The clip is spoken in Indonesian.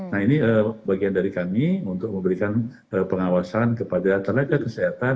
nah ini bagian dari kami untuk memberikan pengawasan kepada tenaga kesehatan